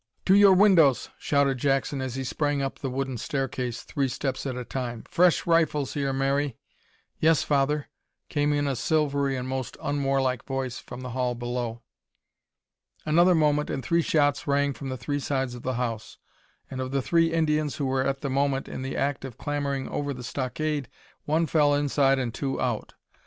"To your windows!" shouted Jackson, as he sprang up the wooden stair case, three steps at a time. "Fresh rifles here, Mary!" "Yes, father," came in a silvery and most unwarlike voice from the hall below. Another moment and three shots rang from the three sides of the house, and of the three Indians who were at the moment in the act of clambering over the stockade, one fell inside and two out.